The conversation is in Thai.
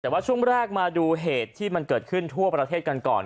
แต่ว่าช่วงแรกมาดูเหตุที่มันเกิดขึ้นทั่วประเทศกันก่อน